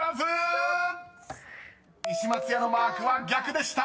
［西松屋のマークは逆でした］